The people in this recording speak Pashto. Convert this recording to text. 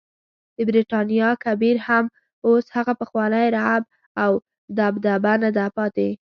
د برټانیا کبیر هم اوس هغه پخوانی رعب او دبدبه نده پاتې.